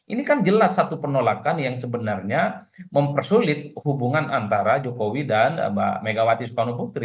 ini kan jelas satu penolakan yang sebenarnya mempersulit hubungan antara jokowi dan mbak megawati soekarno putri